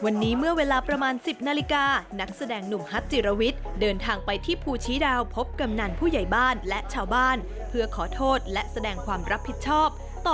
วันนี้เมื่อเวลาประมาณ๑๐นาฬิกานักแสดงหนุ่มฮัตจิรวิทย์เดินทางไปที่ภูชีดาวพบกำนันผู้ใหญ่บ้านและชาวบ้านเพื่อขอโทษและแสดงความรับผิดชอบต่อ